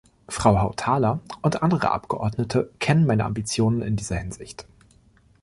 Frau Hautala und andere Abgeordnete kennen meine Ambitionen in dieser Hinsicht.